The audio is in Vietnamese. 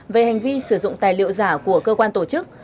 đã sử dụng tài liệu giả của cơ quan tổ chức